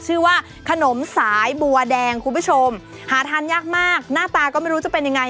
ชื่อว่าขนมสายบัวแดงคุณผู้ชมหาทานยากมากหน้าตาก็ไม่รู้จะเป็นยังไง